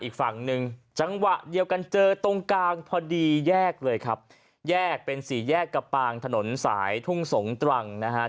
กันเจอตรงกลางพอดีแยกเลยครับแยกเป็นสี่แยกกระปางถนนสายทุ่งสงตรังนะฮะ